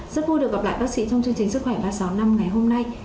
sức khỏe ba trăm sáu mươi năm ngày hôm nay